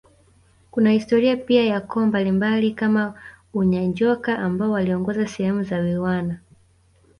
Kuna historia pia ya koo mbalimbali kama Unyanjoka ambao waliongoza sehemu za Wilwana